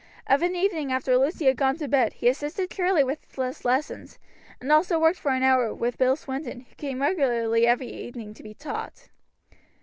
Of an evening after Lucy had gone to bed he assisted Charlie with his lessons, and also worked for an hour with Bill Swinton, who came regularly every evening to be taught.